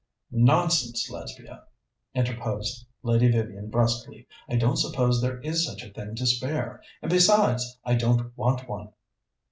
"Nonsense, Lesbia!" interposed Lady Vivian brusquely. "I don't suppose there is such a thing to spare, and, besides, I don't want one."